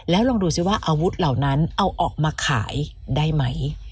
แล้วลองดูซิว่าอาวุธเหล่านั้นเอาออกมาขายได้ไหม